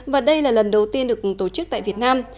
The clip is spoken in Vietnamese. và đây là lần đầu tiên được tổ chức tại việt nam